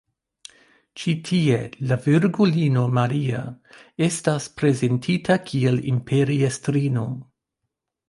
Ĉi tie la Virgulino Maria estas prezentita kiel imperiestrino.